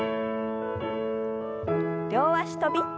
両脚跳び。